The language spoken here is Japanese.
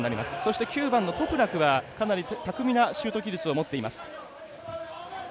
そして９番のトプラクは巧みなシュート技術を持っています。